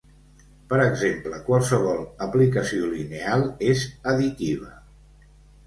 Per exemple, qualsevol aplicació lineal és additiva.